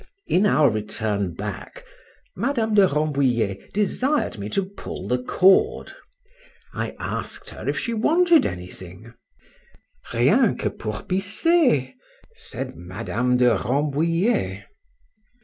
—In our return back, Madame de Rambouliet desired me to pull the cord.—I asked her if she wanted anything—Rien que pour pisser, said Madame de Rambouliet.